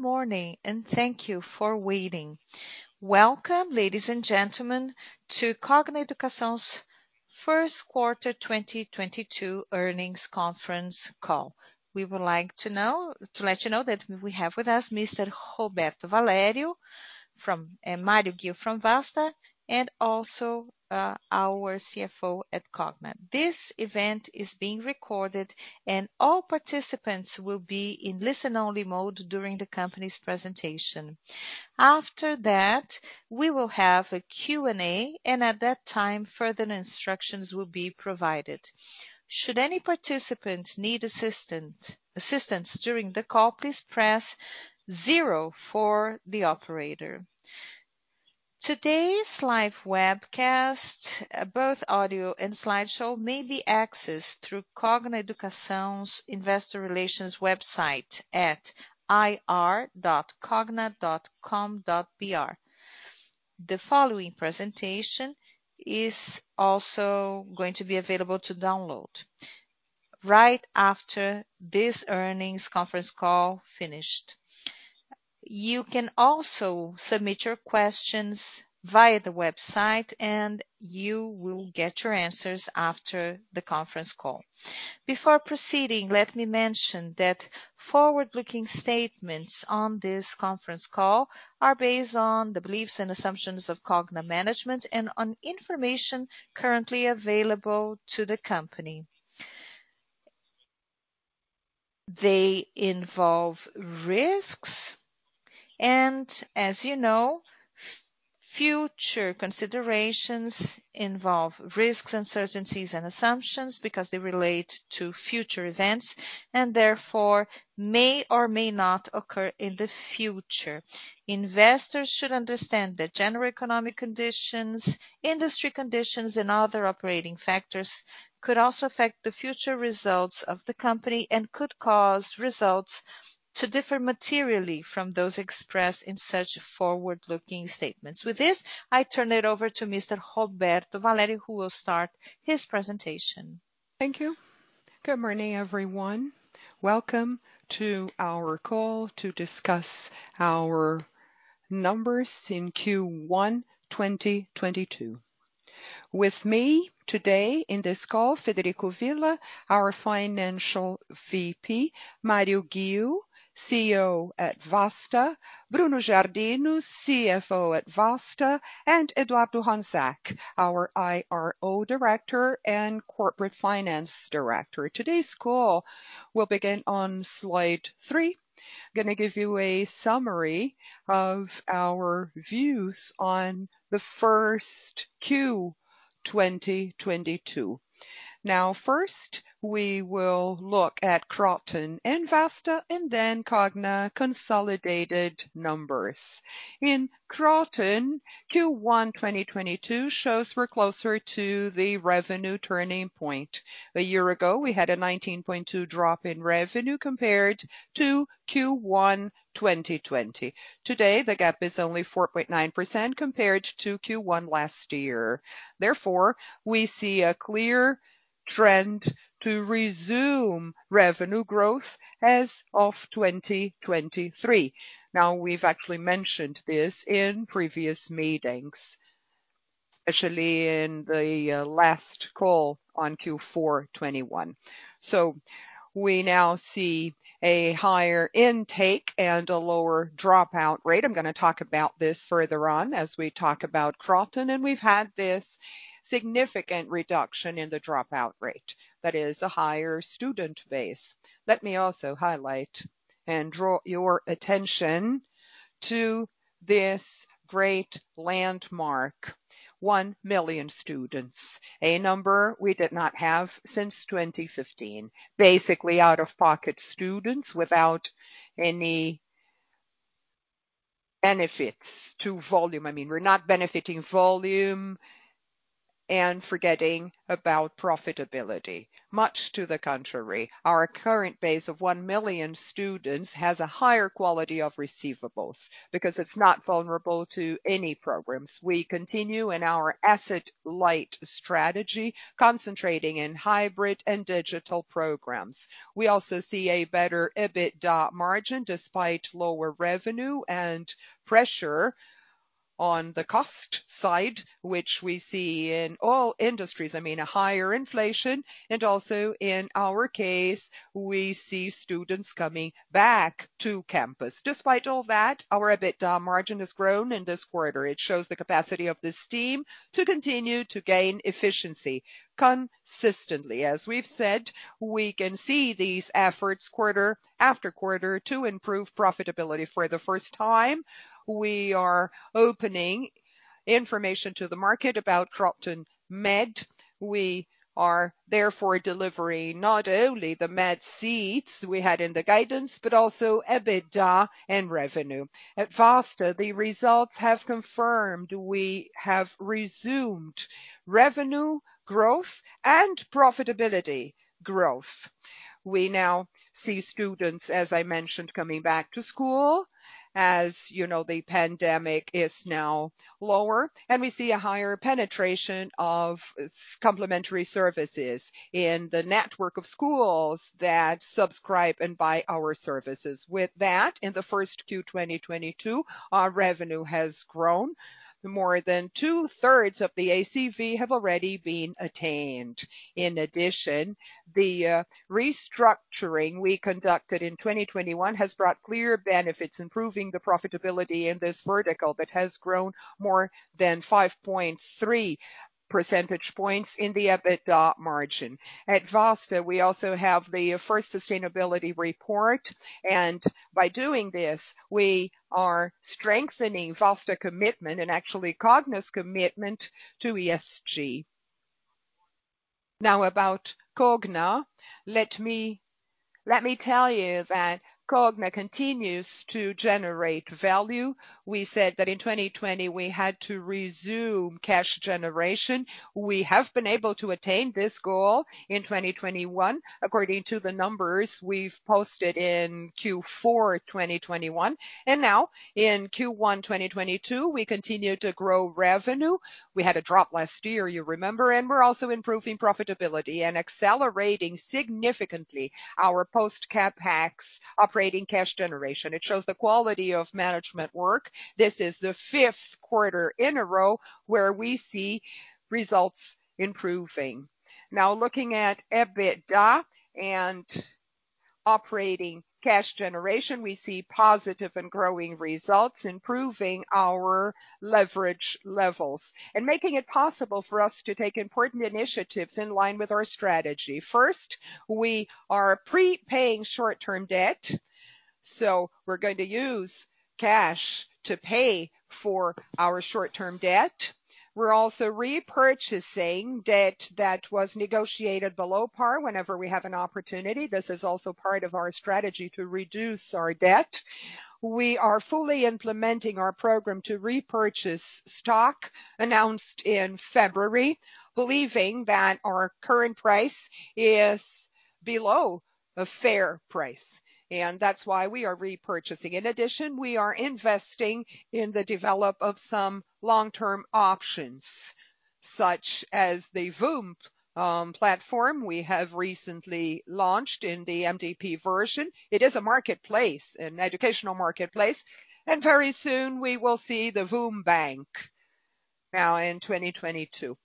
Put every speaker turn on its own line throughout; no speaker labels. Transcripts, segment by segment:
Good morning, and thank you for waiting. Welcome, ladies and gentlemen, to Cogna Educação's first quarter 2022 earnings conference call. We would like to let you know that we have with us Mr. Roberto Valério from and Mário Ghio from Vasta and also our CFO at Cogna. This event is being recorded, and all participants will be in listen-only mode during the company's presentation. After that, we will have a Q&A, and at that time, further instructions will be provided. Should any participant need assistance during the call, please press zero for the operator. Today's live webcast, both audio and slideshow, may be accessed through Cogna Educação's investor relations website at ri.cogna.com.br. The following presentation is also going to be available to download right after this earnings conference call finished. You can also submit your questions via the website, and you will get your answers after the conference call. Before proceeding, let me mention that forward-looking statements on this conference call are based on the beliefs and assumptions of Cogna management and on information currently available to the company. They involve risks. As you know, future considerations involve risks, uncertainties, and assumptions because they relate to future events and therefore may or may not occur in the future. Investors should understand that general economic conditions, industry conditions, and other operating factors could also affect the future results of the company and could cause results to differ materially from those expressed in such forward-looking statements. With this, I turn it over to Mr. Roberto Valério, who will start his presentation.
Thank you. Good morning, everyone. Welcome to our call to discuss our numbers in Q1 2022. With me today in this call, Frederico Villa, our Financial VP, Mário Ghio, CEO at Vasta, Bruno Giardino, CFO at Vasta, and Eduardo Haiama, our IRO Director and corporate finance director. Today's call will begin on slide three. Cogna give you a summary of our views on the first Q 2022. Now first, we will look at Kroton and Vasta and then Cogna consolidated numbers. In Kroton, Q1 2022 shows we're closer to the revenue turning point. A year ago, we had a 19.2% drop in revenue compared to Q1 2020. Today, the gap is only 4.9% compared to Q1 last year. Therefore, we see a clear trend to resume revenue growth as of 2023. We've actually mentioned this in previous meetings, especially in the last call on Q4 2021. We now see a higher intake and a lower dropout rate. I'm gonna talk about this further on as we talk about Kroton. We've had this significant reduction in the dropout rate. That is a higher student base. Let me also highlight and draw your attention to this great landmark, 1 million students, a number we did not have since 2015. Basically out-of-pocket students without any benefits from volume. I mean, we're not benefiting from volume and forgetting about profitability. Much to the contrary, our current base of 1 million students has a higher quality of receivables because it's not vulnerable to any programs. We continue in our asset light strategy, concentrating in hybrid and digital programs. We also see a better EBITDA margin despite lower revenue and pressure on the cost side, which we see in all industries. I mean, a higher inflation. Also in our case, we see students coming back to campus. Despite all that, our EBITDA margin has grown in this quarter. It shows the capacity of this team to continue to gain efficiency consistently. As we've said, we can see these efforts quarter after quarter to improve profitability. For the first time, we are opening information to the market about Kroton Med. We are therefore delivering not only the Med seats we had in the guidance, but also EBITDA and revenue. At Vasta, the results have confirmed we have resumed revenue growth and profitability growth. We now see students, as I mentioned, coming back to school. As you know, the pandemic is now lower, and we see a higher penetration of our complementary services in the network of schools that subscribe and buy our services. With that, in the first Q 2022, our revenue has grown. More than two-thirds of the ACV have already been attained. In addition, the restructuring we conducted in 2021 has brought clear benefits, improving the profitability in this vertical that has grown more than 5.3 percentage points in the EBITDA margin. At Vasta, we also have the first sustainability report, and by doing this, we are strengthening Vasta's commitment and actually Cogna's commitment to ESG. Now about Cogna. Let me tell you that Cogna continues to generate value. We said that in 2020, we had to resume cash generation. We have been able to attain this goal in 2021 according to the numbers we've posted in Q4 2021. Now in Q1 2022, we continue to grow revenue. We had a drop last year, you remember, and we're also improving profitability and accelerating significantly our post-CapEx operating cash generation. It shows the quality of management work. This is the fifth quarter in a row where we see results improving. Now looking at EBITDA and operating cash generation, we see positive and growing results, improving our leverage levels and making it possible for us to take important initiatives in line with our strategy. First, we are prepaying short-term debt, so we're going to use cash to pay for our short-term debt. We're also repurchasing debt that was negotiated below par whenever we have an opportunity. This is also part of our strategy to reduce our debt. We are fully implementing our program to repurchase stock announced in February, believing that our current price is below a fair price, and that's why we are repurchasing. In addition, we are investing in the development of some long-term options, such as the Voomp platform we have recently launched in the MVP version. It is a marketplace, an educational marketplace, and very soon we will see the Voomp Bank now in 2022.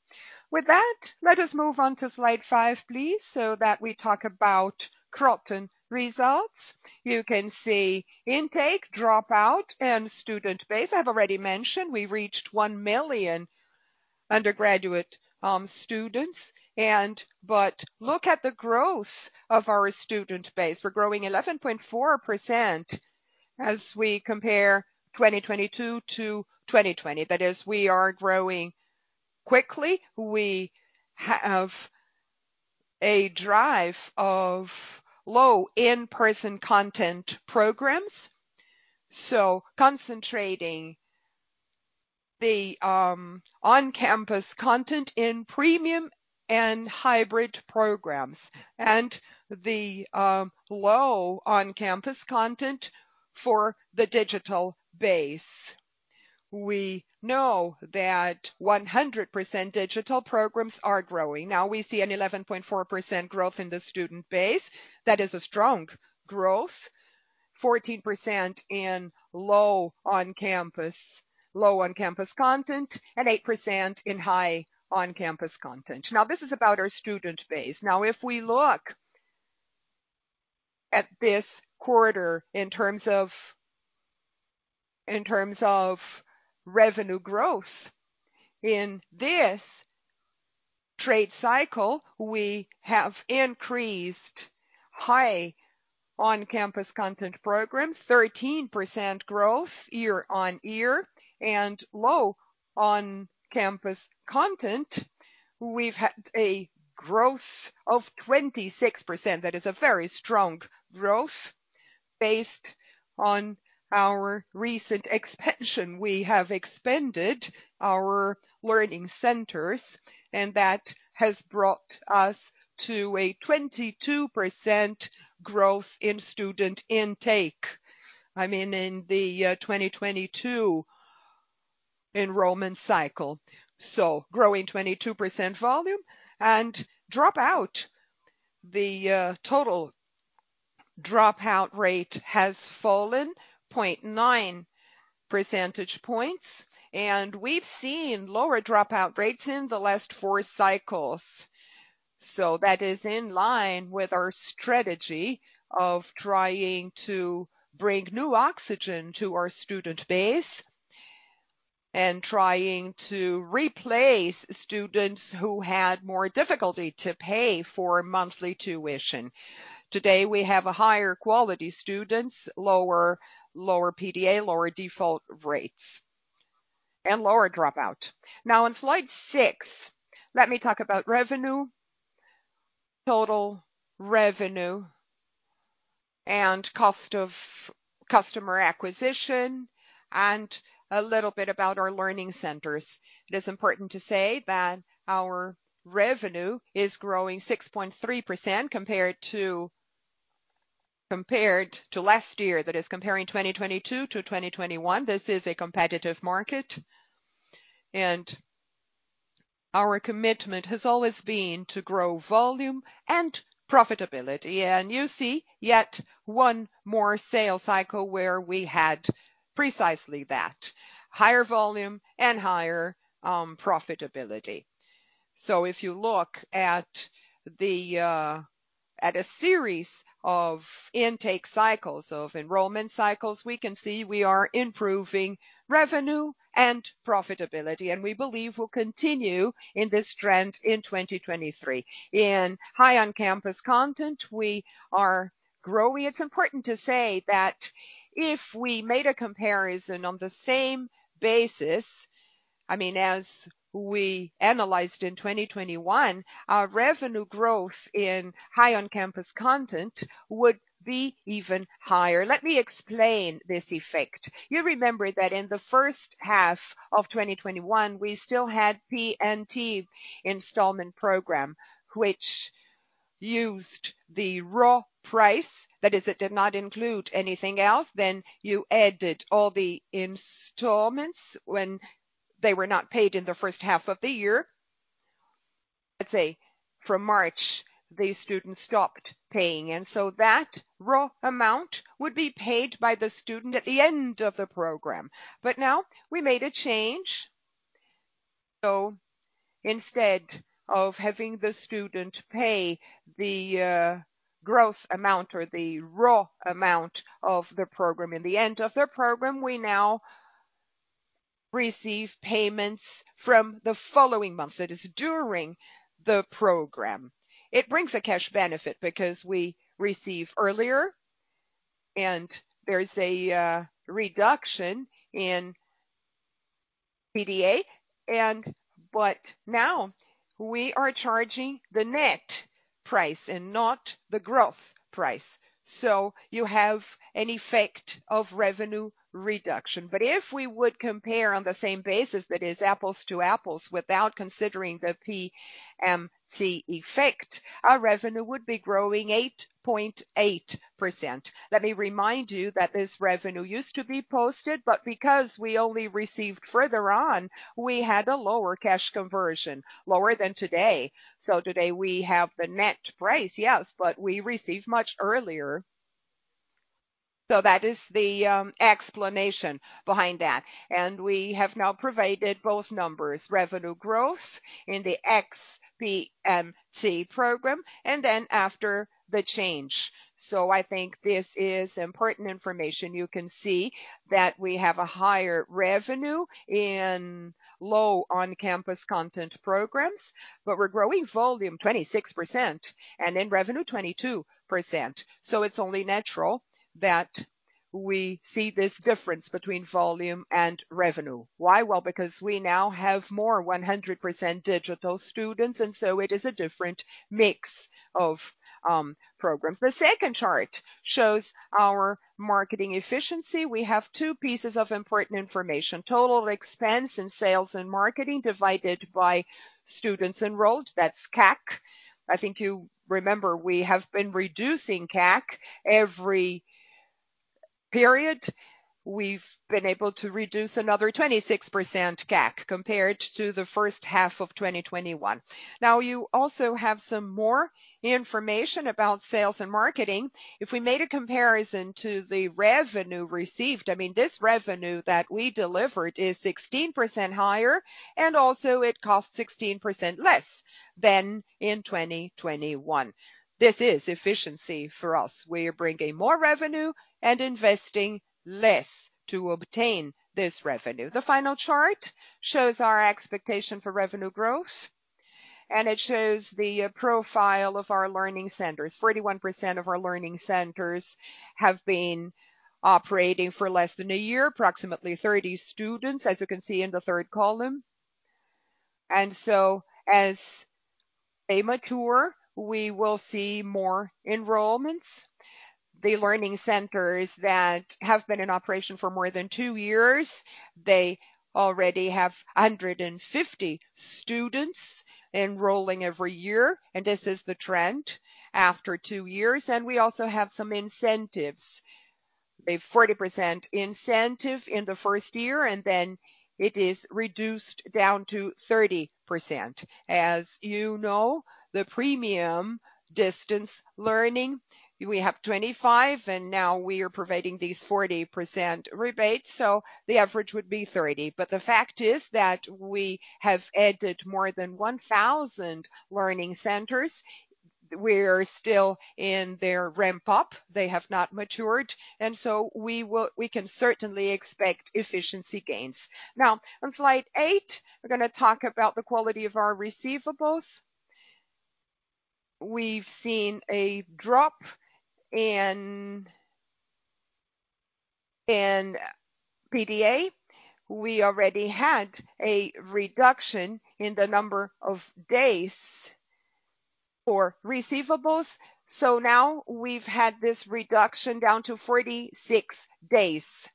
With that, let us move on to slide five, please, so that we talk about Kroton results. You can see intake, dropout, and student base. I've already mentioned we reached 1 million undergraduate students but look at the growth of our student base. We're growing 11.4% as we compare 2022 to 2020. That is, we are growing quickly. We have a drive to low in-person content programs, so concentrating the on-campus content in premium and hybrid programs and the low on-campus content for the digital base. We know that 100% digital programs are growing. Now we see an 11.4% growth in the student base. That is a strong growth, 14% in low on-campus content and 8% in high on-campus content. Now this is about our student base. Now, if we look at this quarter in terms of revenue growth, in this trade cycle, we have increased high on-campus content programs, 13% growth year-on-year. Low on-campus content, we've had a growth of 26%. That is a very strong growth based on our recent expansion. We have expanded our learning centers, and that has brought us to a 22% growth in student intake, I mean, in the 2022 enrollment cycle. Growing 22% volume. Dropout, the total dropout rate has fallen 0.9 percentage points, and we've seen lower dropout rates in the last four cycles. That is in line with our strategy of trying to bring new oxygen to our student base and trying to replace students who had more difficulty to pay for monthly tuition. Today, we have higher quality students, lower PDA, lower default rates, and lower dropout. Now on slide 6, let me talk about revenue. Total revenue and cost of customer acquisition. A little bit about our learning centers. It is important to say that our revenue is growing 6.3% compared to last year. That is comparing 2022 to 2021. This is a competitive market, and our commitment has always been to grow volume and profitability. You see yet one more sales cycle where we had precisely that, higher volume and higher profitability. If you look at a series of intake cycles, of enrollment cycles, we can see we are improving revenue and profitability, and we believe we'll continue in this trend in 2023. In higher on-campus content, we are growing. It's important to say that if we made a comparison on the same basis, I mean, as we analyzed in 2021, our revenue growth in higher on-campus content would be even higher. Let me explain this effect. You remember that in the first half of 2021, we still had PMT installment program, which used the raw price. That is, it did not include anything else. You added all the installments when they were not paid in the first half of the year. Let's say from March, the students stopped paying, and so that raw amount would be paid by the student at the end of the program. Now we made a change. Instead of having the student pay the gross amount or the raw amount of the program in the end of their program, we now receive payments from the following months. That is, during the program. It brings a cash benefit because we receive earlier and there's a reduction in PDA. Now we are charging the net price and not the gross price, so you have an effect of revenue reduction. If we would compare on the same basis, that is apples to apples, without considering the PMT effect, our revenue would be growing 8.8%. Let me remind you that this revenue used to be posted, but because we only received further on, we had a lower cash conversion, lower than today. Today we have the net price, yes, but we received much earlier. That is the explanation behind that. We have now provided both numbers, revenue growth in the ex-PMT program and then after the change. I think this is important information. You can see that we have a higher revenue in low on-campus content programs, but we're growing volume 26% and in revenue 22%. It's only natural that we see this difference between volume and revenue. Why? Well, because we now have more 100% digital students, and so it is a different mix of programs. The second chart shows our marketing efficiency. We have two pieces of important information. Total expense in sales and marketing divided by students enrolled. That's CAC. I think you remember, we have been reducing CAC every period. We've been able to reduce another 26% CAC compared to the first half of 2021. Now, you also have some more information about sales and marketing. If we made a comparison to the revenue received, I mean, this revenue that we delivered is 16% higher, and also it costs 16% less than in 2021. This is efficiency for us. We are bringing more revenue and investing less to obtain this revenue. The final chart shows our expectation for revenue growth, and it shows the profile of our learning centers. 41% of our learning centers have been operating for less than a year, approximately 30 students, as you can see in the third column. As they mature, we will see more enrollments. The learning centers that have been in operation for more than two years, they already have 150 students enrolling every year. This is the trend after two years. We also have some incentives, a 40% incentive in the first year, and then it is reduced down to 30%. As you know, the premium distance learning, we have 25, and now we are providing these 40% rebates, so the average would be 30. The fact is that we have added more than 1,000 learning centers. We're still in their ramp up. They have not matured, and we can certainly expect efficiency gains. Now, on slide eight, we're gonna talk about the quality of our receivables. We've seen a drop in PDA. We already had a reduction in the number of days Receivables. Now we've had this reduction down to 46 days.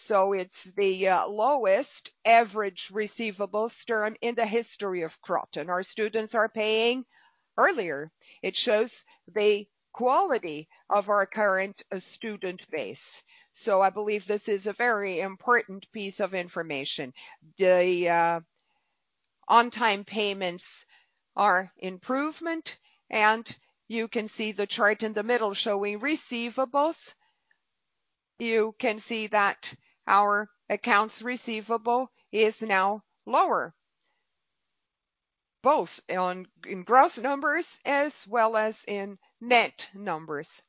It's the lowest average receivables term in the history of Kroton. Our students are paying earlier. It shows the quality of our current student base. I believe this is a very important piece of information. The on-time payments are improvement, and you can see the chart in the middle showing receivables. You can see that our accounts receivable is now lower, both in gross numbers as well as in net numbers.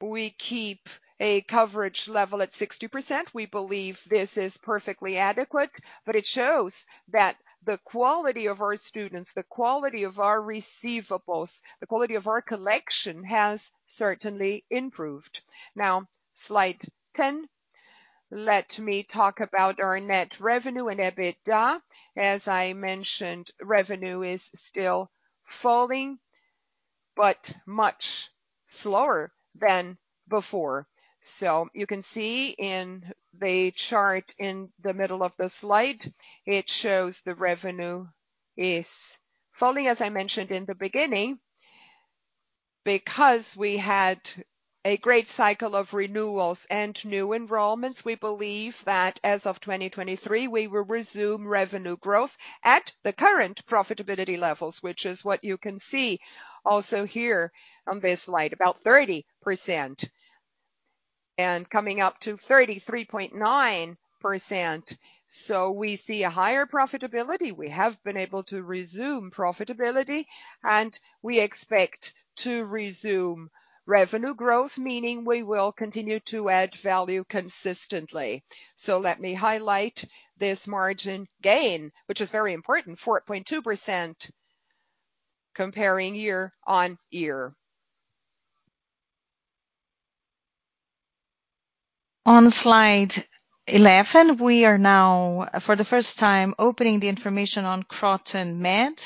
We keep a coverage level at 60%. We believe this is perfectly adequate, but it shows that the quality of our students, the quality of our receivables, the quality of our collection has certainly improved. Now, slide 10. Let me talk about our net revenue and EBITDA. As I mentioned, revenue is still falling, but much slower than before. You can see in the chart in the middle of the slide, it shows the revenue is falling, as I mentioned in the beginning. Because we had a great cycle of renewals and new enrollments, we believe that as of 2023, we will resume revenue growth at the current profitability levels, which is what you can see also here on this slide, about 30% and coming up to 33.9%. We see a higher profitability. We have been able to resume profitability, and we expect to resume revenue growth, meaning we will continue to add value consistently. Let me highlight this margin gain, which is very important, 4.2% comparing year-on-year. On slide eleven, we are now, for the first time, opening the information on Kroton Med,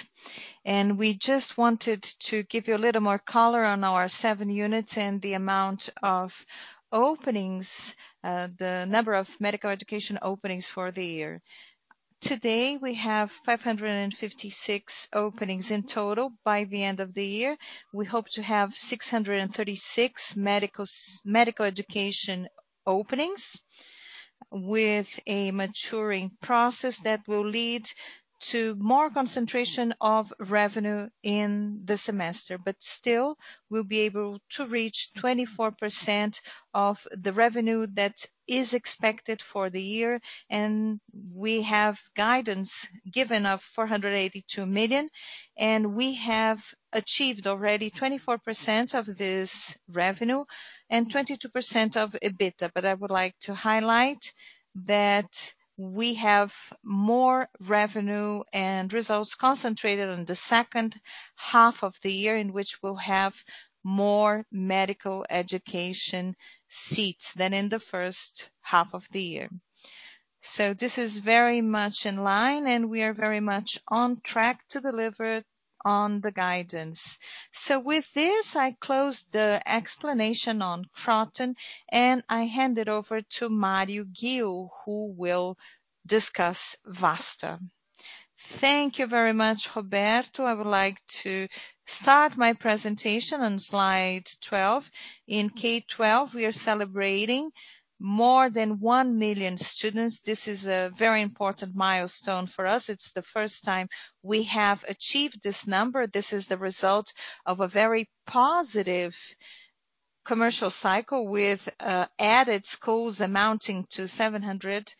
and we just wanted to give you a little more color on our seven units and the amount of openings, the number of medical education openings for the year. Today, we have 556 openings in total. By the end of the year, we hope to have 636 medical education openings with a maturing process that will lead to more concentration of revenue in the semester. But still, we'll be able to reach 24% of the revenue that is expected for the year. We have guidance given of 482 million, and we have achieved already 24% of this revenue and 22% of EBITDA. I would like to highlight that we have more revenue and results concentrated on the second half of the year, in which we'll have more medical education seats than in the first half of the year. This is very much in line, and we are very much on track to deliver on the guidance. With this, I close the explanation on Kroton, and I hand it over to Mário Ghio, who will discuss Vasta.
Thank you very much, Roberto Valério. I would like to start my presentation on slide 12. In K-12, we are celebrating more than 1 million students. This is a very important milestone for us. It's the first time we have achieved this number. This is the result of a very positive commercial cycle with added schools amounting to 700.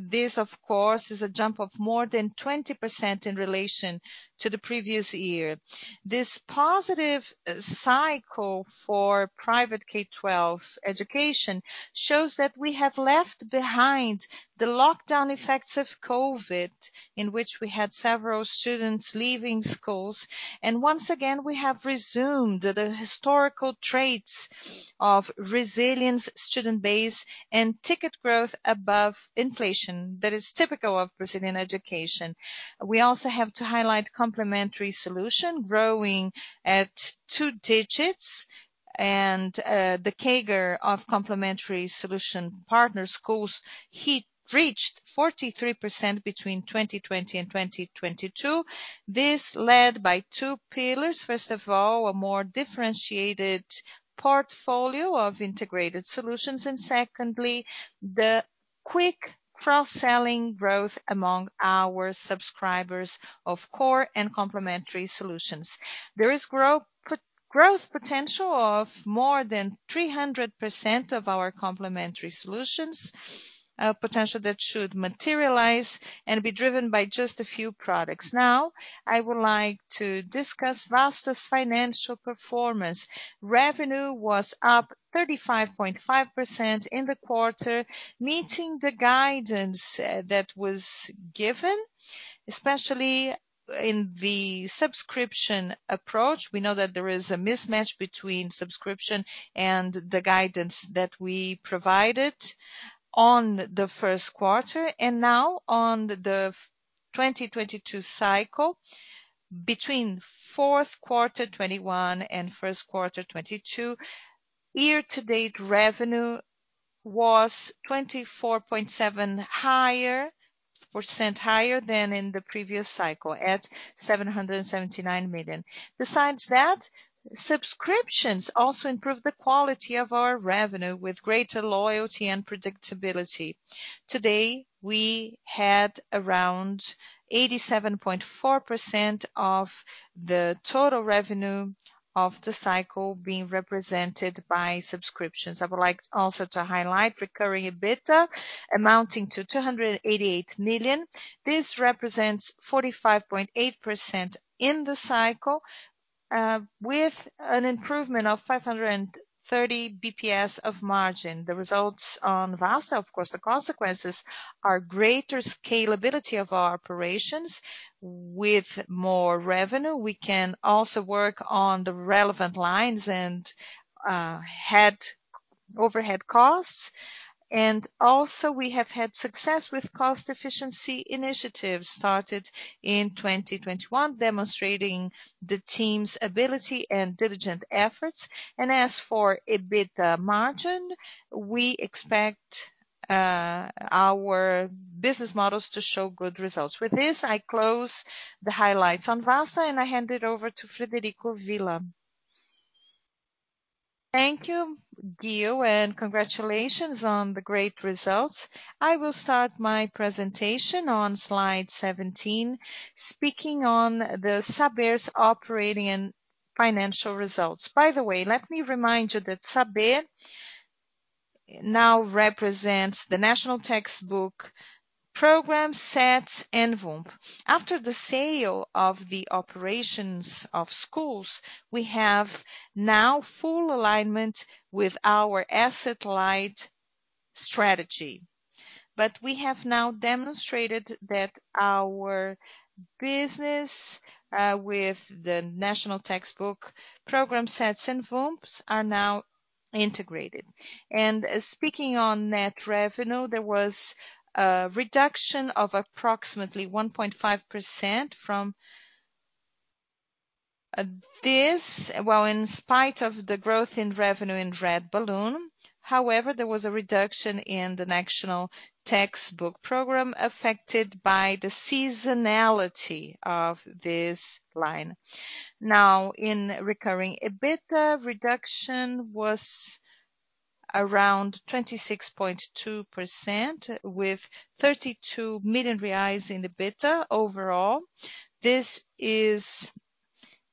This, of course, is a jump of more than 20% in relation to the previous year. This positive cycle for private K-12 education shows that we have left behind the lockdown effects of COVID, in which we had several students leaving schools. Once again, we have resumed the historical traits of resilience, student base, and ticket growth above inflation that is typical of Brazilian education. We also have to highlight complementary solution growing at two digits. The CAGR of complementary solution partner schools reached 43% between 2020 and 2022. This led by two pillars. First of all, a more differentiated portfolio of integrated solutions. Secondly, the quick cross-selling growth among our subscribers of core and complementary solutions. There is growth potential of more than 300% of our complementary solutions, potential that should materialize and be driven by just a few products. Now I would like to discuss Vasta's financial performance. Revenue was up 35.5% in the quarter, meeting the guidance that was given, especially in the subscription approach. We know that there is a mismatch between subscription and the guidance that we provided on the first quarter. Now on the 2022 cycle, between fourth quarter 2021 and first quarter 2022. Year-to-date revenue was 24.7% higher than in the previous cycle, at 779 million. Besides that, subscriptions also improved the quality of our revenue with greater loyalty and predictability. Today, we had around 87.4% of the total revenue of the cycle being represented by subscriptions. I would like also to highlight recurring EBITDA amounting to 288 million. This represents 45.8% in the cycle, with an improvement of 530 basis points of margin. The results on Vasta, of course, the consequences are greater scalability of our operations. With more revenue, we can also work on the relevant lines and overhead costs. Also we have had success with cost efficiency initiatives started in 2021, demonstrating the team's ability and diligent efforts. As for EBITDA margin, we expect our business models to show good results. With this, I close the highlights on Vasta, and I hand it over to Frederico Villa.
Thank you, Ghio, and congratulations on the great results. I will start my presentation on slide 17, speaking on the Saber's operating and financial results. By the way, let me remind you that Saber now represents the national textbook program, Sets and Voomp. After the sale of the operations of schools, we have now full alignment with our asset-light strategy. We have now demonstrated that our business with the national textbook program sets and Voomps are now integrated. Speaking on net revenue, there was a reduction of approximately 1.5% from this. Well, in spite of the growth in revenue in Red Balloon, however, there was a reduction in the national textbook program affected by the seasonality of this line. Now, in recurring EBITDA, reduction was around 26.2% with 32 million reais in EBITDA overall. This is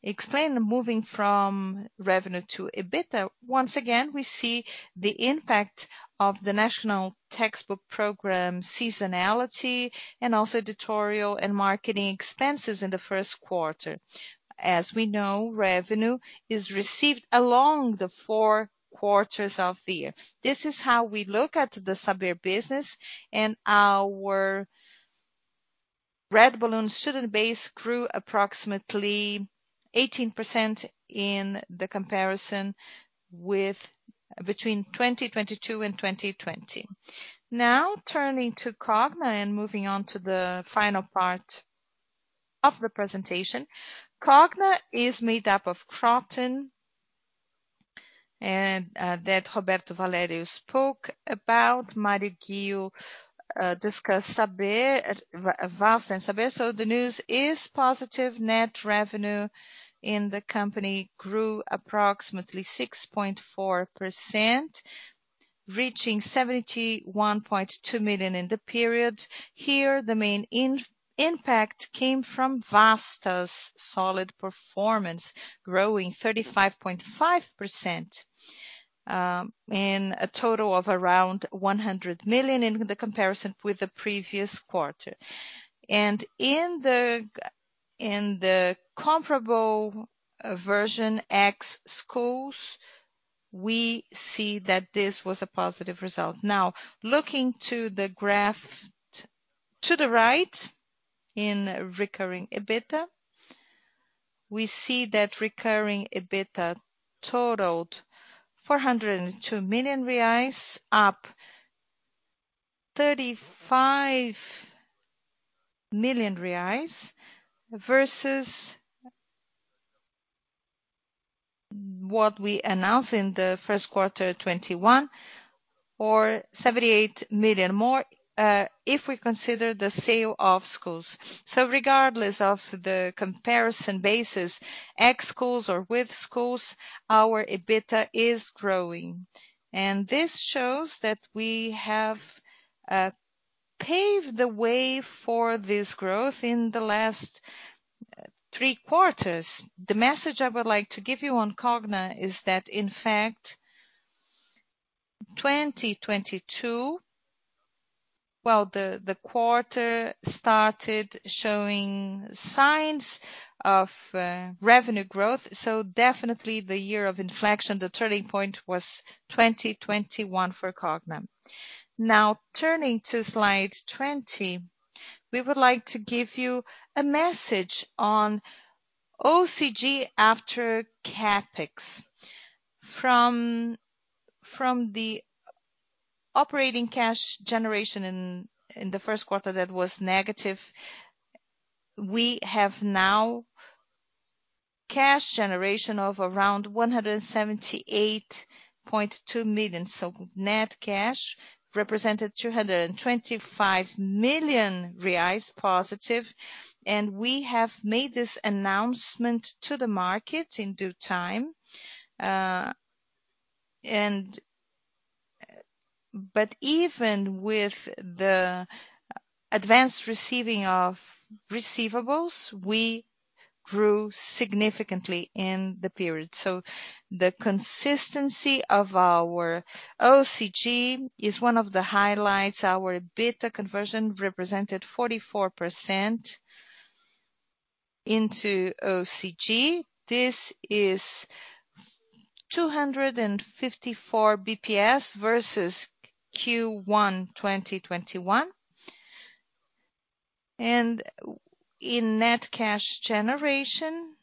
explained moving from revenue to EBITDA. Once again, we see the impact of the national textbook program seasonality and also editorial and marketing expenses in the first quarter. As we know, revenue is received along the four quarters of the year. This is how we look at the Saber business. Our Red Balloon student base grew approximately 18% in the comparison between 2022 and 2020. Now turning to Cogna and moving on to the final part of the presentation. Cogna is made up of Kroton and that Roberto Valério spoke about. Mario Ghio discussed Saber, Vasta and Saber. The news is positive. Net revenue in the company grew approximately 6.4%, reaching 71.2 million in the period. Here, the main impact came from Vasta's solid performance, growing 35.5% in a total of around 100 million in the comparison with the previous quarter. In the comparable version ex schools, we see that this was a positive result. Now, looking to the graph to the right in recurring EBITDA, we see that recurring EBITDA totaled 402 million reais, up 35 million reais versus what we announced in the first quarter 2021 or 78 million more if we consider the sale of schools. Regardless of the comparison basis, ex schools or with schools, our EBITDA is growing. This shows that we have paved the way for this growth in the last three quarters. The message I would like to give you on Cogna is that, in fact, 2022. Well, the quarter started showing signs of revenue growth, so definitely the year of inflection, the turning point was 2021 for Cogna. Now turning to slide 20, we would like to give you a message on OCG after CapEx. Operating cash generation in the first quarter that was negative. We have now cash generation of around 178.2 million. So net cash represented 225 million reais positive, and we have made this announcement to the market in due time. But even with the advanced receiving of receivables, we grew significantly in the period. The consistency of our OCG is one of the highlights. Our EBITDA conversion represented 44% into OCG. This is 254 BPS versus Q1 2021. In net cash generation,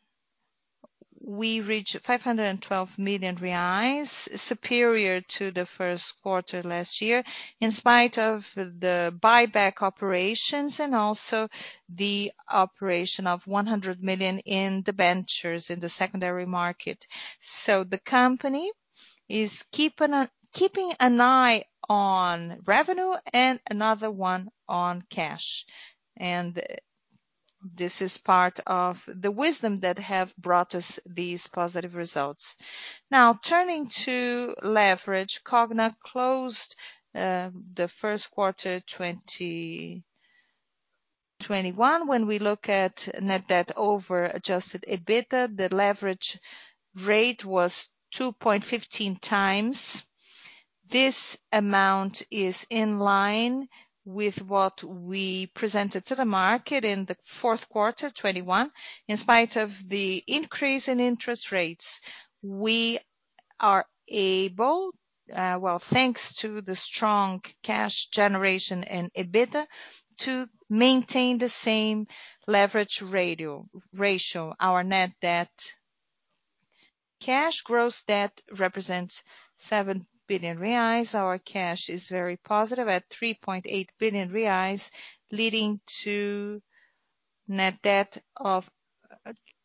we reached 512 million reais, superior to the first quarter last year, in spite of the buyback operations and also the operation of 100 million in debentures in the secondary market. The company is keeping an eye on revenue and another one on cash. This is part of the wisdom that have brought us these positive results. Now turning to leverage, Cogna closed the first quarter 2021. When we look at net debt over adjusted EBITDA, the leverage rate was 2.15x. This amount is in line with what we presented to the market in the fourth quarter 2021. In spite of the increase in interest rates, we are able, thanks to the strong cash generation and EBITDA, to maintain the same leverage ratio. Our net debt. Our gross debt represents 7 billion reais. Our cash is very positive at 3.8 billion reais, leading to net debt of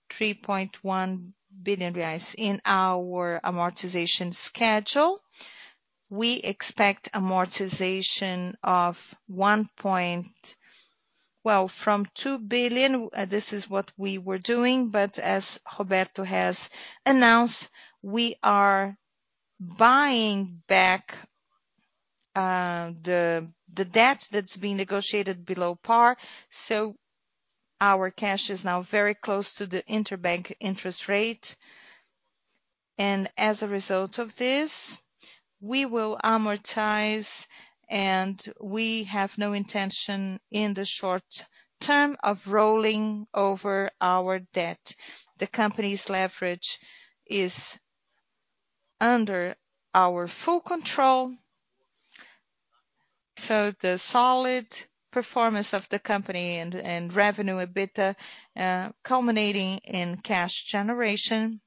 3.1 billion reais. In our amortization schedule, we expect amortization from 2 billion, this is what we were doing, but as Roberto has announced, we are buying back the debt that's being negotiated below par. Our cash is now very close to the interbank interest rate. As a result of this, we will amortize, and we have no intention in the short term of rolling over our debt. The company's leverage is under our full control. The solid performance of the company and revenue EBITDA, culminating in cash generation,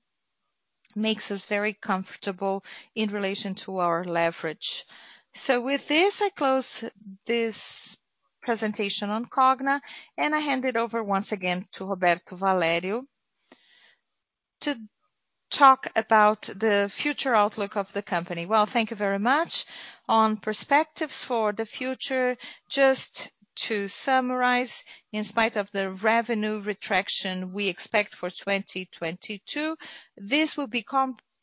makes us very comfortable in relation to our leverage. With this, I close this presentation on Cogna, and I hand it over once again to Roberto Valério to talk about the future outlook of the company.
Well, thank you very much. On perspectives for the future, just to summarize, in spite of the revenue retraction we expect for 2022, this will be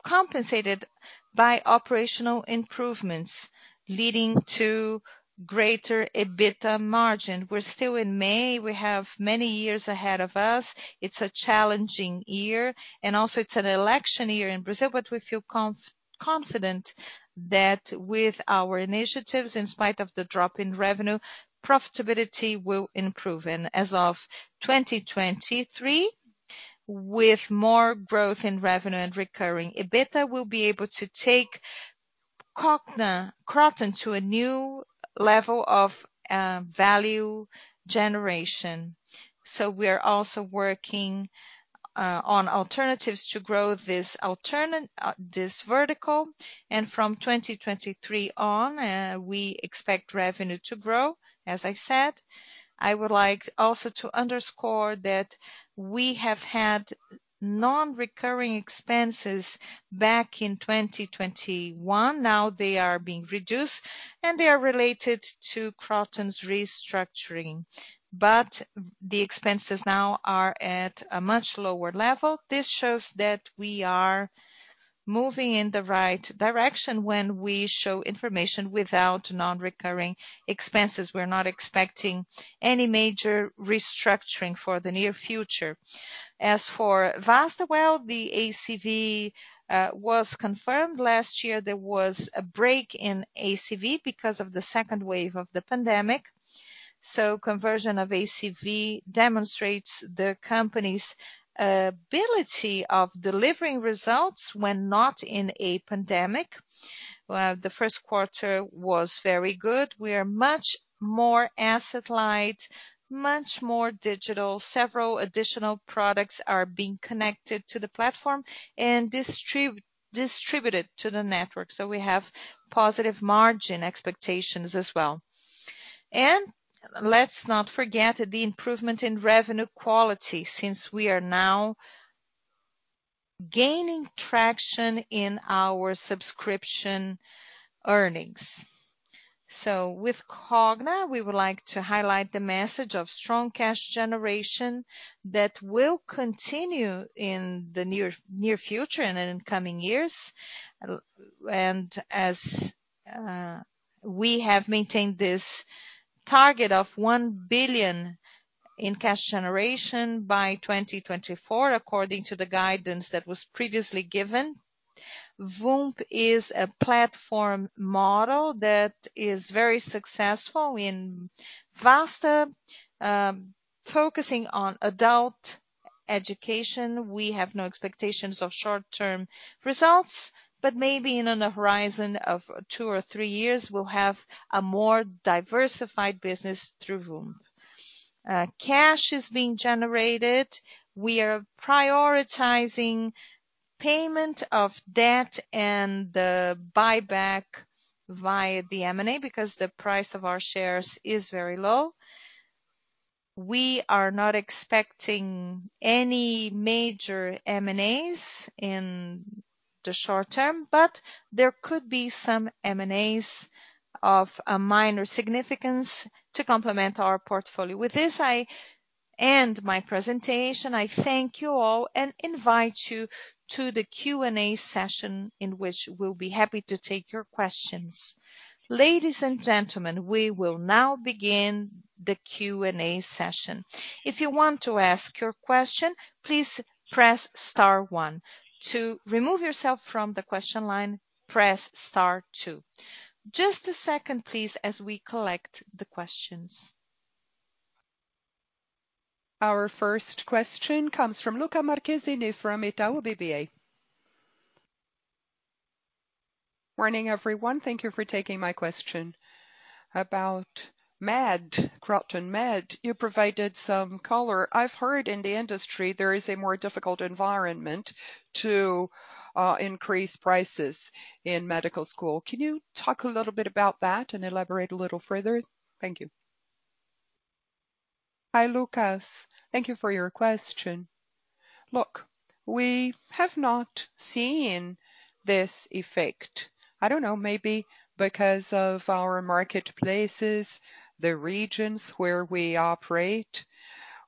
compensated by operational improvements leading to greater EBITDA margin. We're still in May. We have many years ahead of us. It's a challenging year, and also it's an election year in Brazil, but we feel confident that with our initiatives, in spite of the drop in revenue, profitability will improve. As of 2023, with more growth in revenue and recurring EBITDA, we'll be able to take Cogna, Kroton to a new level of value generation. We are also working on alternatives to grow this vertical. From 2023 on, we expect revenue to grow, as I said. I would like also to underscore that we have had non-recurring expenses back in 2021. Now they are being reduced, and they are related to Kroton's restructuring. The expenses now are at a much lower level. This shows that we are moving in the right direction when we show information without non-recurring expenses. We're not expecting any major restructuring for the near future. As for Vasta, the ACV was confirmed last year. There was a break in ACV because of the second wave of the pandemic. Conversion of ACV demonstrates the company's ability of delivering results when not in a pandemic. The first quarter was very good. We are much more asset light, much more digital. Several additional products are being connected to the platform and distributed to the network. We have positive margin expectations as well. Let's not forget the improvement in revenue quality since we are now gaining traction in our subscription earnings. With Cogna, we would like to highlight the message of strong cash generation that will continue in the near future and in coming years. We have maintained this target of 1 billion in cash generation by 2024, according to the guidance that was previously given. Voomp is a platform model that is very successful in Vasta. Focusing on adult education, we have no expectations of short-term results, but maybe in a horizon of two or three years, we'll have a more diversified business through Voomp. Cash is being generated. We are prioritizing payment of debt and the buyback via the M&A because the price of our shares is very low. We are not expecting any major M&As in the short term, but there could be some M&As of a minor significance to complement our portfolio. With this, I end my presentation. I thank you all and invite you to the Q&A session, in which we'll be happy to take your questions.
Ladies and gentlemen, we will now begin the Q&A session. If you want to ask your question, please press star one. To remove yourself from the question line, press star two. Just a second, please, as we collect the questions. Our first question comes from Lucca Marquezini from Itaú BBA.
Morning, everyone. Thank you for taking my question. About Kroton Med, you provided some color. I've heard in the industry there is a more difficult environment to increase prices in medical school. Can you talk a little bit about that and elaborate a little further? Thank you.
Hi, Lucas. Thank you for your question. Look, we have not seen this effect. I don't know, maybe because of our marketplaces, the regions where we operate.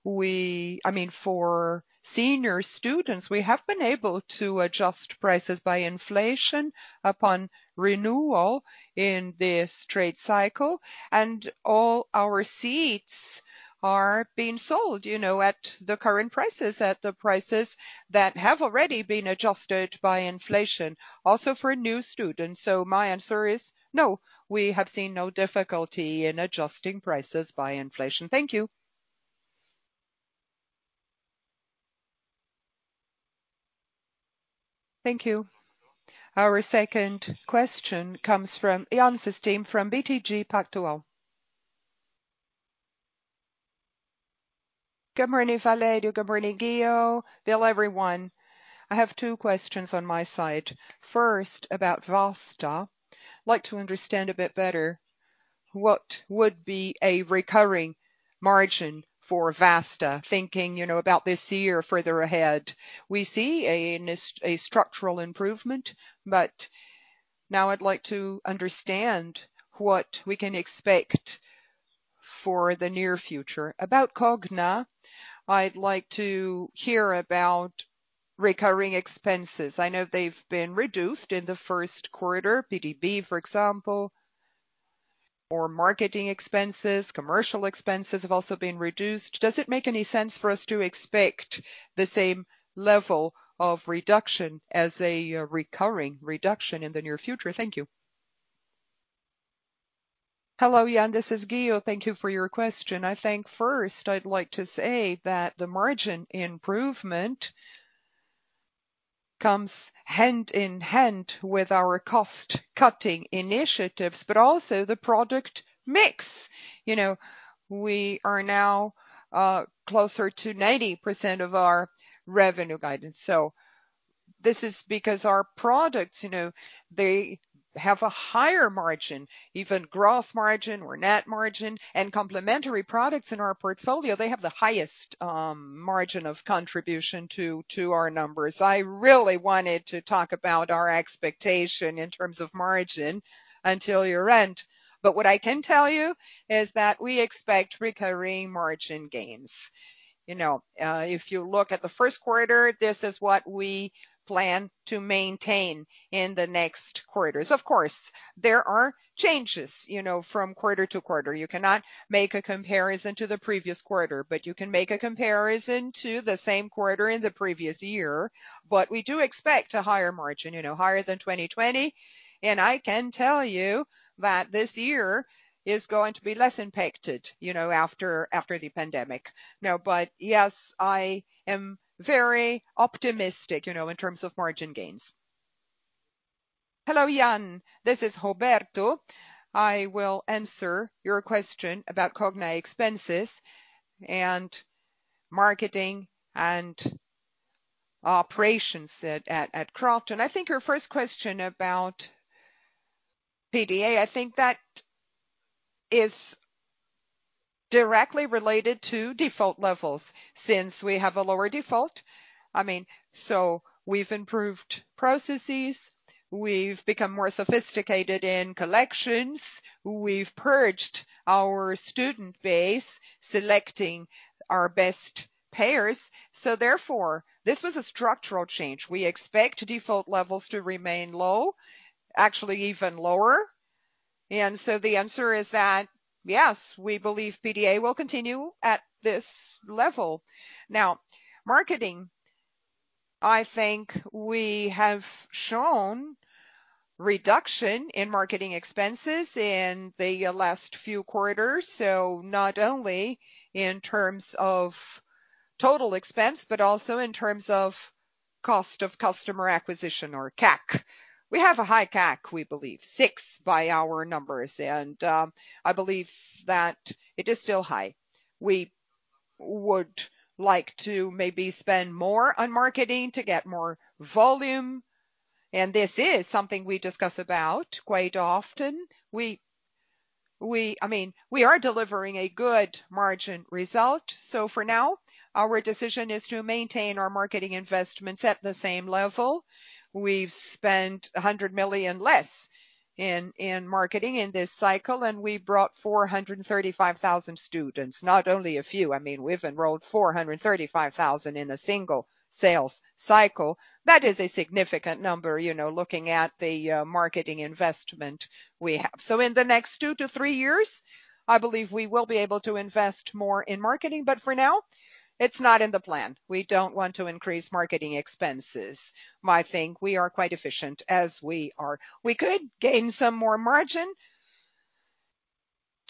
I mean, for senior students, we have been able to adjust prices by inflation upon renewal in this trade cycle, and all our seats are being sold, you know, at the current prices, at the prices that have already been adjusted by inflation, also for new students. My answer is no, we have seen no difficulty in adjusting prices by inflation. Thank you.
Thank you. Our second question comes from Yan Cesquim from BTG Pactual.
Good morning, Valério. Good morning, Ghio. Hello, everyone. I have two questions on my side. First, about Vasta. I'd like to understand a bit better what would be a recurring margin for Vasta, thinking, you know, about this year further ahead. We see a structural improvement, but now I'd like to understand what we can expect for the near future. About Cogna, I'd like to hear about recurring expenses. I know they've been reduced in the first quarter, PDB, for example, or marketing expenses. Commercial expenses have also been reduced. Does it make any sense for us to expect the same level of reduction as a recurring reduction in the near future? Thank you.
Hello, Yan. This is Ghio. Thank you for your question. I think first I'd like to say that the margin improvement comes hand in hand with our cost-cutting initiatives, but also the product mix. You know, we are now closer to 90% of our revenue guidance. This is because our products, you know, they have a higher margin, even gross margin or net margin. Complementary products in our portfolio, they have the highest margin of contribution to our numbers. I really wanted to talk about our expectation in terms of margin until year-end. What I can tell you is that we expect recurring margin gains. You know, if you look at the first quarter, this is what we plan to maintain in the next quarters. Of course, there are changes, you know, from quarter to quarter. You cannot make a comparison to the previous quarter, but you can make a comparison to the same quarter in the previous year. We do expect a higher margin, you know, higher than 2020. I can tell you that this year is going to be less impacted, you know, after the pandemic. Now, yes, I am very optimistic, you know, in terms of margin gains.
Hello, Yan. This is Roberto. I will answer your question about Cogna expenses and marketing and operations at Kroton. I think your first question about PDA, I think that is directly related to default levels since we have a lower default. I mean, so we've improved processes, we've become more sophisticated in collections. We've purged our student base, selecting our best payers. So therefore, this was a structural change. We expect default levels to remain low, actually even lower. The answer is that, yes, we believe PDA will continue at this level. Now, marketing, I think we have shown reduction in marketing expenses in the last few quarters. Not only in terms of total expense, but also in terms of cost of customer acquisition or CAC. We have a high CAC, we believe 6 by our numbers, and I believe that it is still high. We would like to maybe spend more on marketing to get more volume. This is something we discuss about quite often. I mean, we are delivering a good margin result. For now, our decision is to maintain our marketing investments at the same level. We've spent 100 million less in marketing in this cycle, and we brought 435,000 students. Not only a few, I mean, we've enrolled 435,000 in a single sales cycle. That is a significant number, you know, looking at the marketing investment we have. In the next 2-3 years, I believe we will be able to invest more in marketing, but for now, it's not in the plan. We don't want to increase marketing expenses. I think we are quite efficient as we are. We could gain some more margin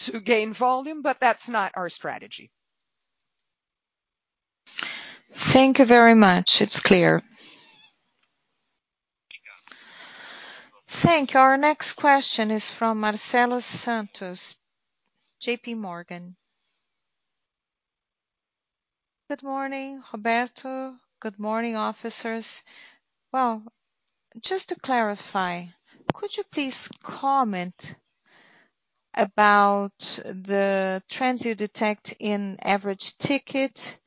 to gain volume, but that's not our strategy.
Thank you very much. It's clear.
Thank you. Our next question is from Marcelo Santos, J.P. Morgan.
Good morning, Roberto. Good morning, officers. Well, just to clarify, could you please comment about the trends you detect in average ticket?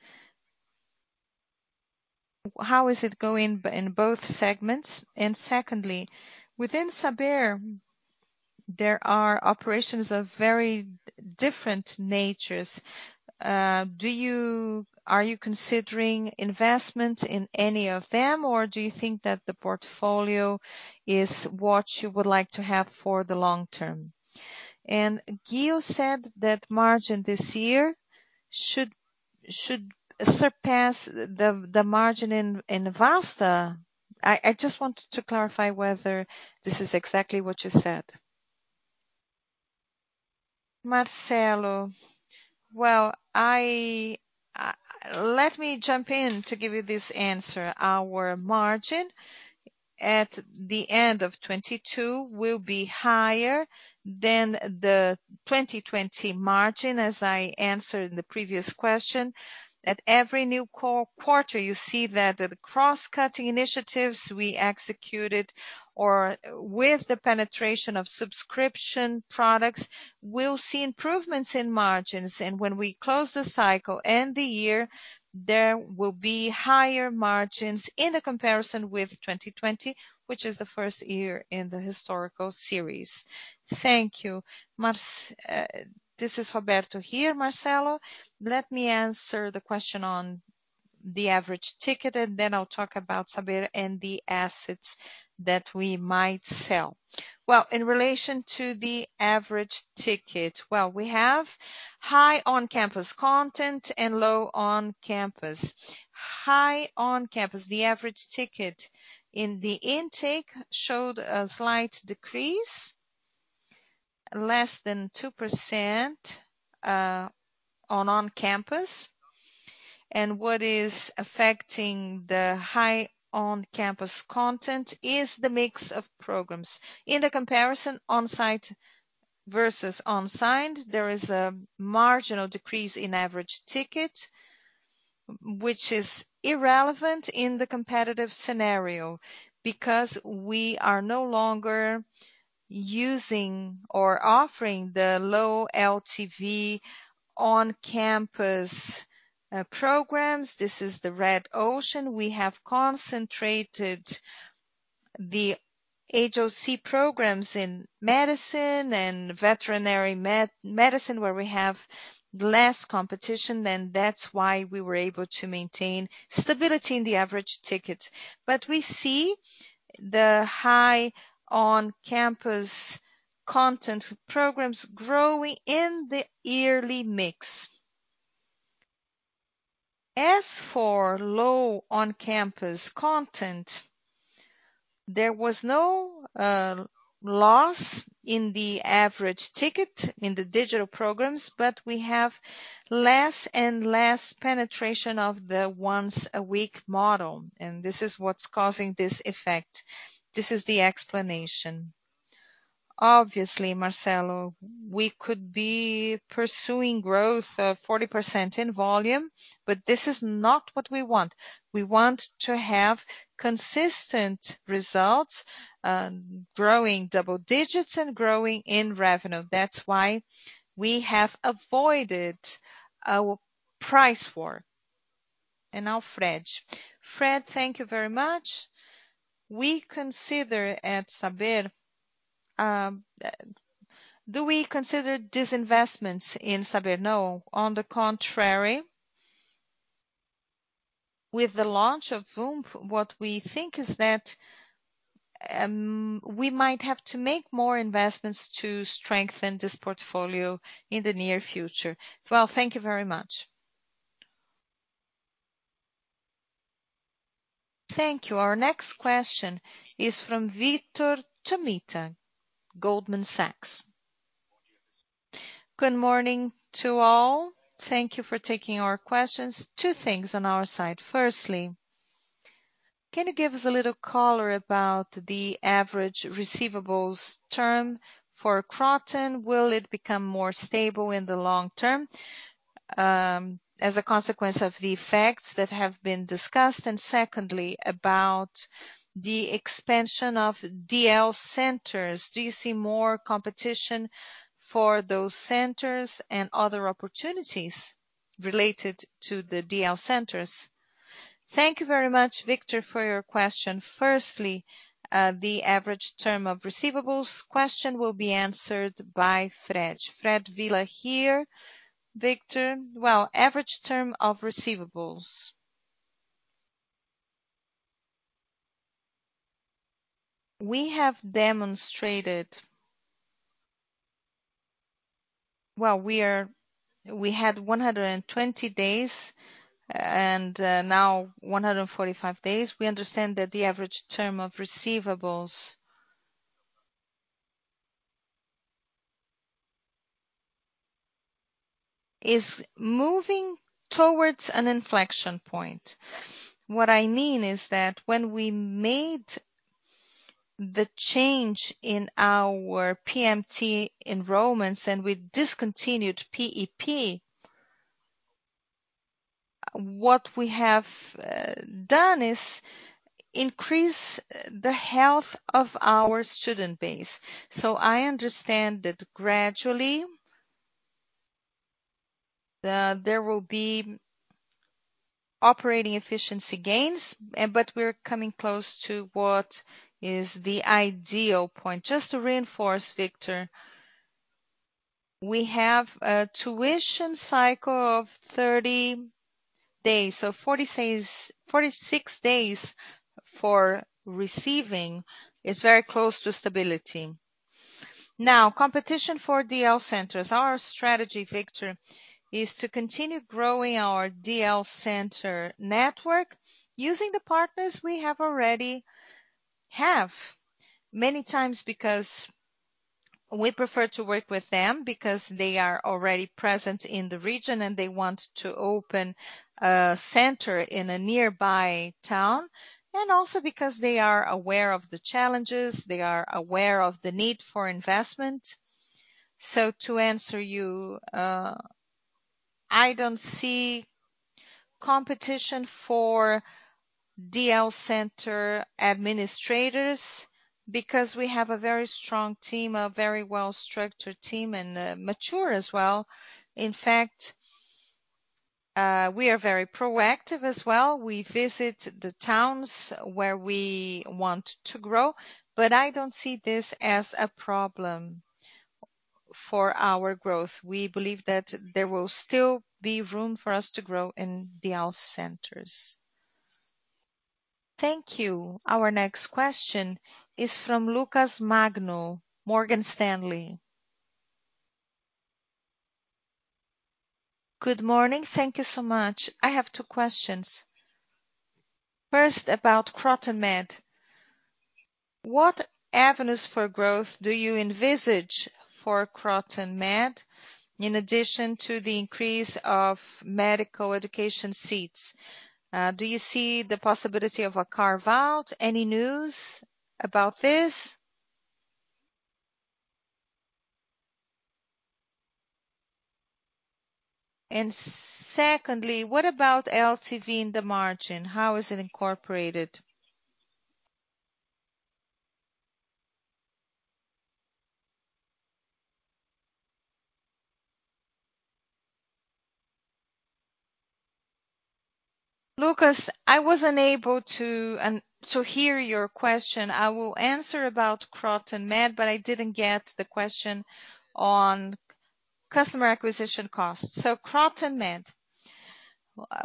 How is it going in both segments? And secondly, within Saber, there are operations of very different natures. Are you considering investment in any of them, or do you think that the portfolio is what you would like to have for the long term? And Ghio said that margin this year should surpass the margin in Vasta. I just want to clarify whether this is exactly what you said.
Marcelo. Well, I let me jump in to give you this answer. Our margin at the end of 2022 will be higher than the 2020 margin, as I answered in the previous question. At every new quarter, you see that the cross-cutting initiatives we executed, or with the penetration of subscription products, we'll see improvements in margins. When we close the cycle and the year, there will be higher margins in a comparison with 2020, which is the first year in the historical series.
Thank you. This is Roberto here, Marcelo. Let me answer the question on the average ticket, and then I'll talk about Saber and the assets that we might sell. Well, in relation to the average ticket, well, we have high on-campus content and low on-campus. Higher on-campus, the average ticket in the intake showed a slight decrease, less than 2%, on-campus. What is affecting the higher on-campus content is the mix of programs. In the comparison on site versus on-site, there is a marginal decrease in average ticket, which is irrelevant in the competitive scenario because we are no longer using or offering the low LTV on-campus programs. This is the Red Ocean. We have concentrated the HOC programs in medicine and veterinary medicine, where we have less competition, and that's why we were able to maintain stability in the average ticket. We see the higher on-campus content programs growing in the yearly mix. As for low on-campus content, there was no loss in the average ticket in the digital programs, but we have less and less penetration of the once-a-week model, and this is what's causing this effect. This is the explanation. Obviously, Marcelo, we could be pursuing growth of 40% in volume, but this is not what we want. We want to have consistent results, growing double digits and growing in revenue. That's why we have avoided a price war.
Now Fred. Fred, thank you very much. We consider at Saber, do we consider disinvestment in Saber?
No. On the contrary. With the launch of Voomp, what we think is that, we might have to make more investments to strengthen this portfolio in the near future.
Well, thank you very much.
Thank you. Our next question is from Vitor Tomita, Goldman Sachs.
Good morning to all. Thank you for taking our questions. Two things on our side. Firstly, can you give us a little color about the average receivables term for Kroton? Will it become more stable in the long term, as a consequence of the effects that have been discussed? Secondly, about the expansion of DL centers, do you see more competition for those centers and other opportunities related to the DL centers?
Thank you very much, Vitor, for your question. Firstly, the average term of receivables question will be answered by Fred.
Fred Villa here. Vitor. Well, average term of receivables. We have demonstrated. Well, we had 120 days, and now 145 days. We understand that the average term of receivables is moving towards an inflection point. What I mean is that when we made the change in our PMT enrollments and we discontinued PEP, what we have done is increase the health of our student base. I understand that gradually, there will be operating efficiency gains, but we're coming close to what is the ideal point. Just to reinforce, Vitor, we have a tuition cycle of 30 days. 46 days for receiving is very close to stability. Now, competition for DL centers. Our strategy, Vitor, is to continue growing our DL center network using the partners we already have. Many times because we prefer to work with them because they are already present in the region and they want to open a center in a nearby town, and also because they are aware of the challenges, they are aware of the need for investment. To answer you, I don't see competition for DL center administrators because we have a very strong team, a very well-structured team, and mature as well. In fact, we are very proactive as well. We visit the towns where we want to grow. I don't see this as a problem for our growth. We believe that there will still be room for us to grow in DL centers.
Thank you. Our next question is from Lucas Nagano, Morgan Stanley.
Good morning. Thank you so much. I have two questions. First, about Kroton Med. What avenues for growth do you envisage for Kroton Med, in addition to the increase of medical education seats? Do you see the possibility of a carve-out? Any news about this? And secondly, what about LTV in the margin? How is it incorporated?
Lucas, I was unable to hear your question. I will answer about Kroton Med, but I didn't get the question on customer acquisition costs. Kroton Med.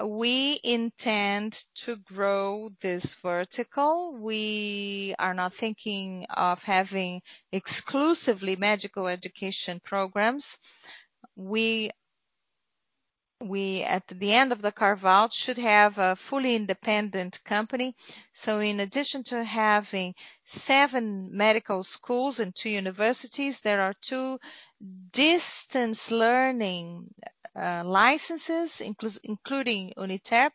We intend to grow this vertical. We are not thinking of having exclusively medical education programs. We at the end of the carve-out, should have a fully independent company. In addition to having seven medical schools and two universities, there are two distance learning Licenses including Unitab,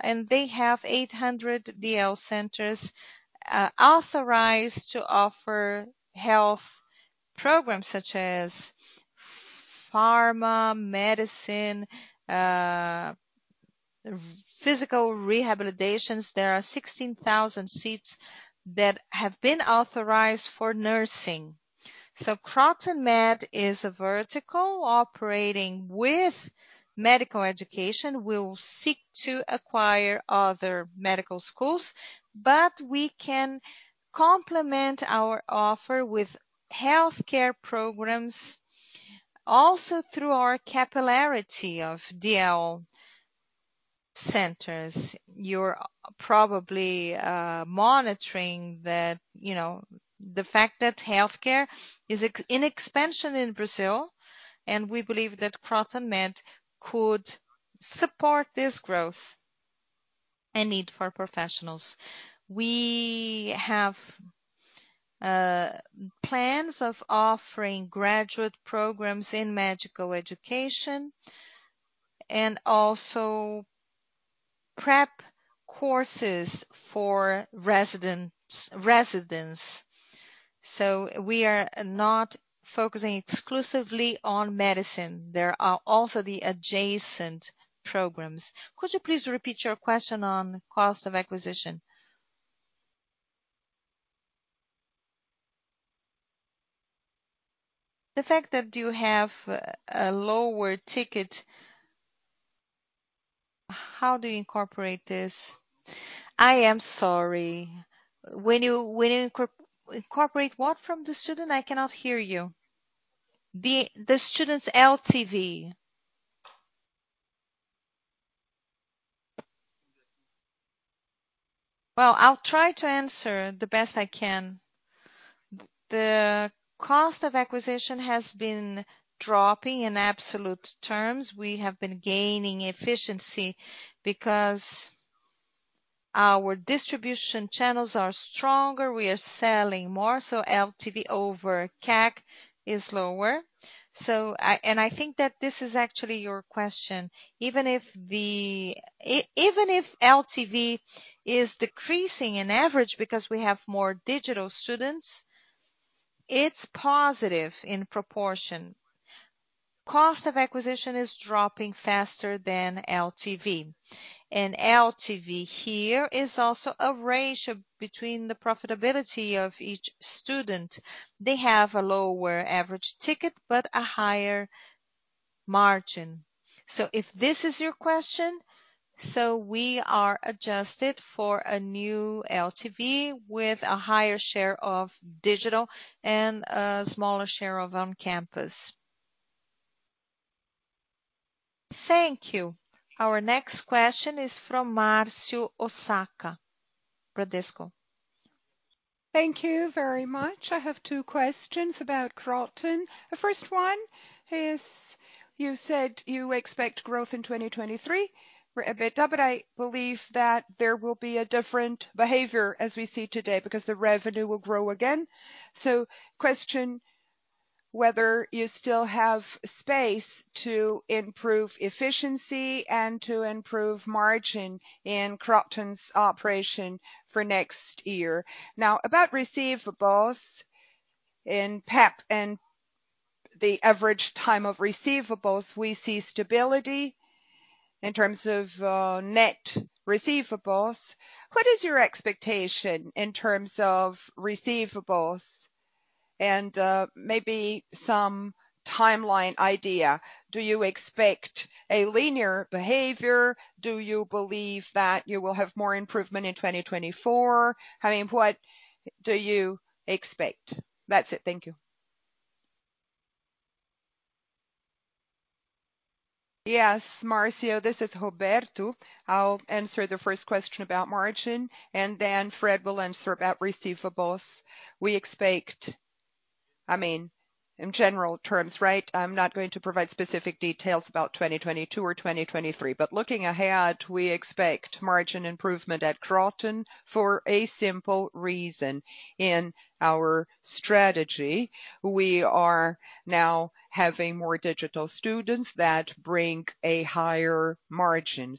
and they have 800 DL centers, authorized to offer health programs such as pharma, medicine, physical rehabilitations. There are 16,000 seats that have been authorized for nursing. Kroton Med is a vertical operating with medical education. We'll seek to acquire other medical schools, but we can complement our offer with healthcare programs also through our capillarity of DL centers. You're probably monitoring that, you know, the fact that healthcare is expanding in Brazil, and we believe that Kroton Med could support this growth and need for professionals. We have plans of offering graduate programs in medical education and also prep courses for residents. We are not focusing exclusively on medicine. There are also the adjacent programs. Could you please repeat your question on cost of acquisition?
The fact that you have a lower ticket, how do you incorporate this?
I am sorry. When you incorporate what from the student? I cannot hear you.
The student's LTV.
Well, I'll try to answer the best I can. The cost of acquisition has been dropping in absolute terms. We have been gaining efficiency because our distribution channels are stronger. We are selling more, so LTV over CAC is lower. I think that this is actually your question. Even if LTV is decreasing on average because we have more digital students, it's positive in proportion. Cost of acquisition is dropping faster than LTV. LTV here is also a ratio between the profitability of each student. They have a lower average ticket, but a higher margin. If this is your question, so we are adjusted for a new LTV with a higher share of digital and a smaller share of on-campus.
Thank you. Our next question is from Marcio Osako, Bradesco.
Thank you very much. I have two questions about Kroton. The first one is, you said you expect growth in 2023 for EBITDA, but I believe that there will be a different behavior as we see today because the revenue will grow again. Question whether you still have space to improve efficiency and to improve margin in Kroton's operation for next year. Now, about receivables in PEP and the average time of receivables, we see stability in terms of net receivables. What is your expectation in terms of receivables and maybe some timeline idea? Do you expect a linear behavior? Do you believe that you will have more improvement in 2024? I mean, what do you expect? That's it. Thank you.
Yes, Marcio, this is Roberto. I'll answer the first question about margin, and then Fred will answer about receivables. I mean, in general terms, right? I'm not going to provide specific details about 2022 or 2023. Looking ahead, we expect margin improvement at Kroton for a simple reason. In our strategy, we are now having more digital students that bring a higher margin.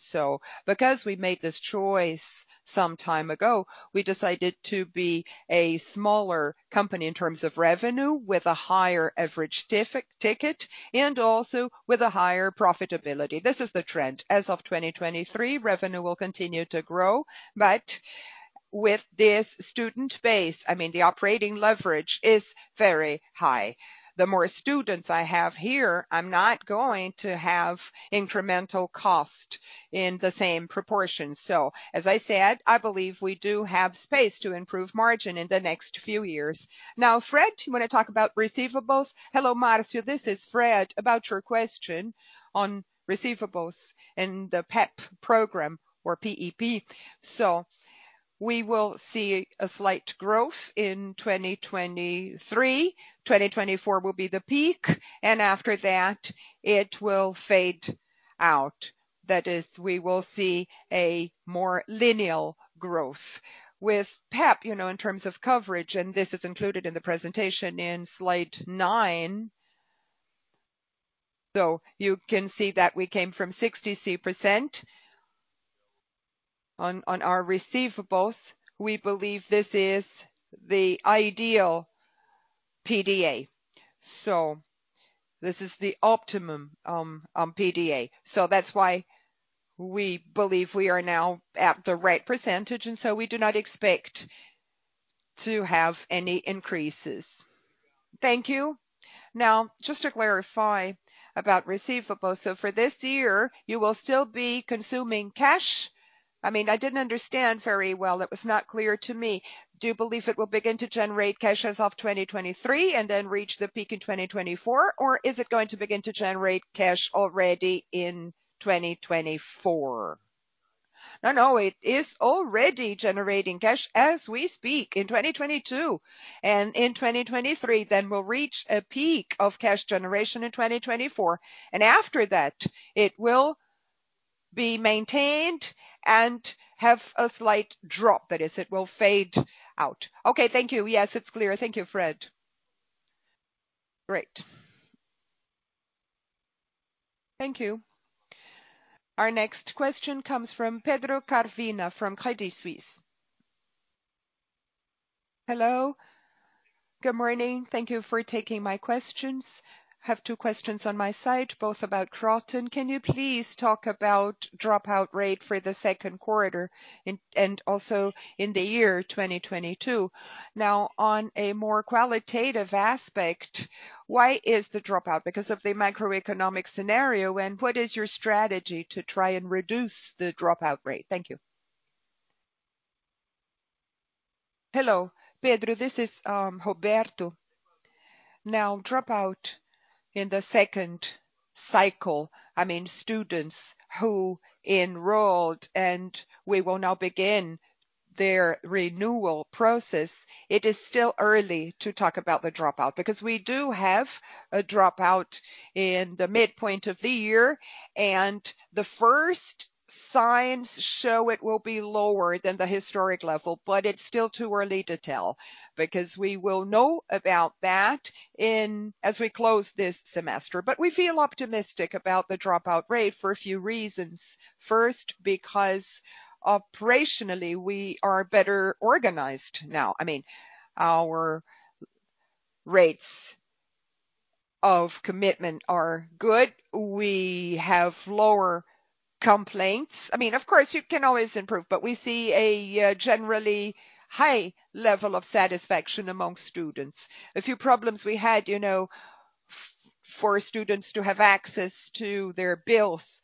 Because we made this choice some time ago, we decided to be a smaller company in terms of revenue with a higher average tick-ticket and also with a higher profitability. This is the trend. As of 2023, revenue will continue to grow. With this student base, I mean, the operating leverage is very high. The more students I have here, I'm not going to have incremental cost in the same proportion. As I said, I believe we do have space to improve margin in the next few years. Now, Fred, you wanna talk about receivables?
Hello, Marcio. This is Fred. About your question on receivables in the PEP program or P-E-P. We will see a slight growth in 2023. 2024 will be the peak, and after that, it will fade out. That is, we will see a more linear growth. With PEP, you know, in terms of coverage, and this is included in the presentation in slide 9. You can see that we came from 63% on our receivables. We believe this is the ideal PDA. This is the optimum on PDA. That's why we believe we are now at the right percentage, and we do not expect to have any increases.
Thank you. Now, just to clarify about receivables. For this year, you will still be consuming cash? I mean, I didn't understand very well. It was not clear to me. Do you believe it will begin to generate cash as of 2023 and then reach the peak in 2024? Or is it going to begin to generate cash already in 2024?
No, no, it is already generating cash as we speak in 2022 and in 2023. Then we'll reach a peak of cash generation in 2024. After that it will be maintained and have a slight drop. That is, it will fade out.
Okay. Thank you. Yes, it's clear. Thank you, Fred.
Great.
Thank you. Our next question comes from Pedro Caravina from Credit Suisse.
Hello. Good morning. Thank you for taking my questions. I have two questions on my side, both about Kroton. Can you please talk about dropout rate for the second quarter and also in the year 2022? Now on a more qualitative aspect, why is the dropout? Because of the macroeconomic scenario. What is your strategy to try and reduce the dropout rate? Thank you.
Hello, Pedro. This is Roberto. Now dropout in the second cycle, I mean, students who enrolled and we will now begin their renewal process. It is still early to talk about the dropout because we do have a dropout in the midpoint of the year, and the first signs show it will be lower than the historic level, but it's still too early to tell because we will know about that as we close this semester. We feel optimistic about the dropout rate for a few reasons. First, because operationally we are better organized now. I mean, our rates of commitment are good. We have lower complaints. I mean, of course you can always improve, but we see a generally high level of satisfaction among students. A few problems we had, you know, for students to have access to their bills.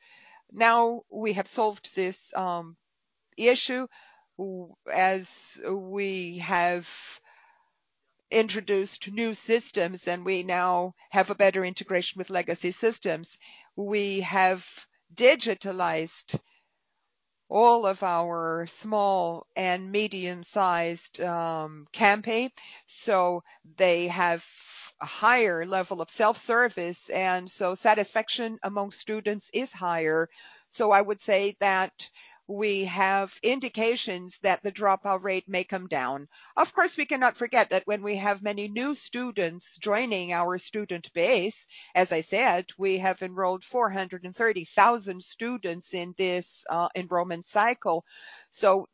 Now we have solved this issue as we have introduced new systems and we now have a better integration with legacy systems. We have digitalized all of our small and medium-sized campuses, so they have a higher level of self-service, and satisfaction among students is higher. I would say that we have indications that the dropout rate may come down. Of course, we cannot forget that when we have many new students joining our student base, as I said, we have enrolled 430,000 students in this enrollment cycle.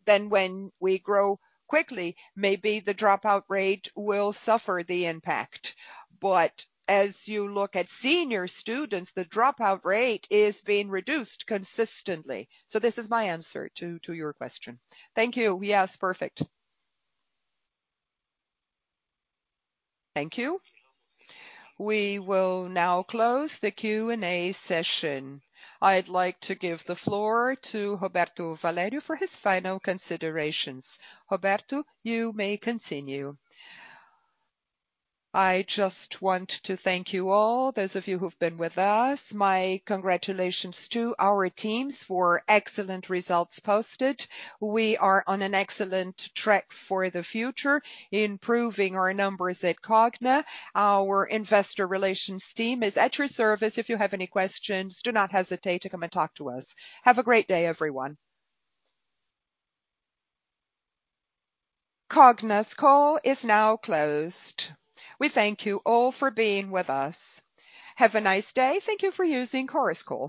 When we grow quickly, maybe the dropout rate will suffer the impact. As you look at senior students, the dropout rate is being reduced consistently. This is my answer to your question.
Thank you. Yes, perfect.
Thank you. We will now close the Q&A session. I'd like to give the floor to Roberto Valério for his final considerations. Roberto, you may continue.
I just want to thank you all, those of you who've been with us. My congratulations to our teams for excellent results posted. We are on an excellent track for the future, improving our numbers at Cogna. Our investor relations team is at your service. If you have any questions, do not hesitate to come and talk to us. Have a great day everyone.
Cogna's call is now closed. We thank you all for being with us. Have a nice day. Thank you for using Chorus Call.